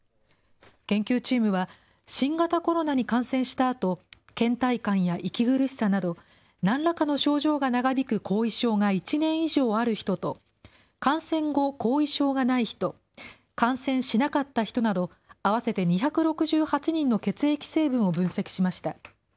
研究チームは、新型コロナに感染したあと、けん怠感や息苦しさなど、なんらかの症状が長引く後遺症が１年以上ある人と、感染後、後遺症がない人、感染しなかった人など、合わせて２６８人の血液成分を分析しました。